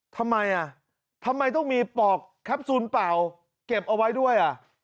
ทำไมอ่ะทำไมต้องมีปอกแคปซูลเปล่าเก็บเอาไว้ด้วยอ่ะ